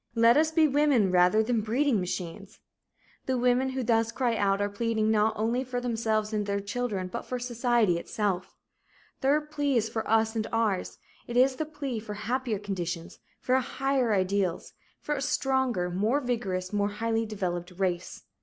Let us be women, rather than breeding machines." The women who thus cry out are pleading not only for themselves and their children, but for society itself. Their plea is for us and ours it is the plea for happier conditions, for higher ideals, for a stronger, more vigorous, more highly developed race.